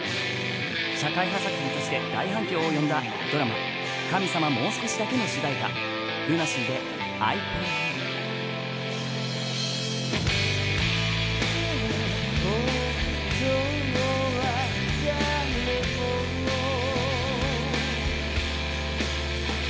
社会派作品として大反響を呼んだドラマ、「神様、もう少しだけ」の主題歌ＬＵＮＡＳＥＡで「ＩｆｏｒＹｏｕ」。